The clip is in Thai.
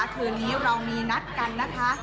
คืนนี้เรามีนัดกันนะคะ